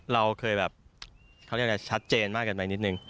เราเคยแบบเขาเรียกอะไรชัดเจนมากเกินไปนิดนึง